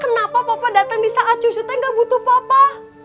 kenapa papa dateng disaat cucu teh ga butuh papa